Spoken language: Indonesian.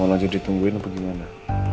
mau lanjut ditungguin apa gimana